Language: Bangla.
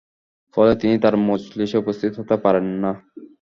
ফলে তিনি তার মজলিসে উপস্থিত হতে পারেন না।